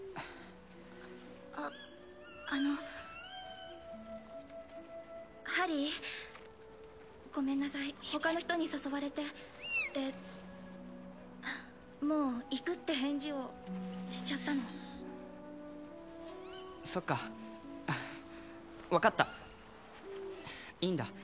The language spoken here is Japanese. あっあのハリーごめんなさい他の人に誘われてでもう行くって返事をしちゃったのそっか分かったいいんだ